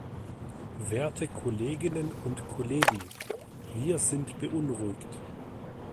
Werte Kolleginnen und Kollegen, wir sind beunruhigt.